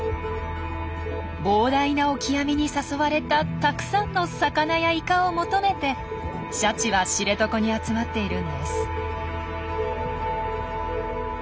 膨大なオキアミに誘われたたくさんの魚やイカを求めてシャチは知床に集まっているんです。